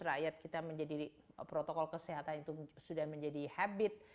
rakyat kita menjadi protokol kesehatan itu sudah menjadi habit